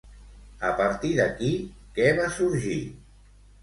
A partir d'aquí, què va sorgir?